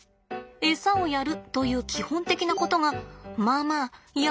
エサをやるという基本的なことがまあまあいや